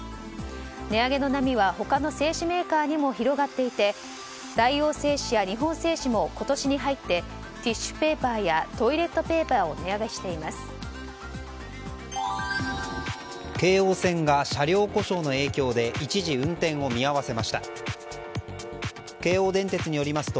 値上げの波は他の製紙メーカーにも広がっていて大王製紙や日本製紙も今年に入ってティッシュペーパーやトイレットペーパーを値上げしています。